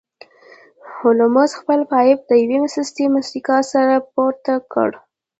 هولمز خپل پایپ د یوې سستې موسکا سره پورته کړ